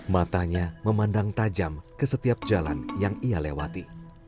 matanya memandang tajam ke setiap jalan yang ia lewati